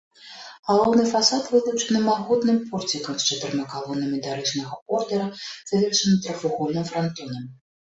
Галоўны фасад вылучаны магутным порцікам з чатырма калонамі дарычнага ордара, завершаны трохвугольным франтонам.